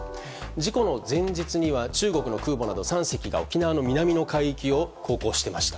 事故の前日には中国の空母など３隻が沖縄の南の海域を航行していました。